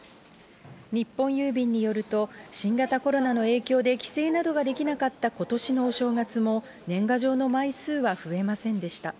日本郵便によると、新型コロナの影響で帰省などができなかったことしのお正月も、年賀状の枚数は増えませんでした。